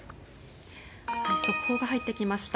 速報が入ってきました。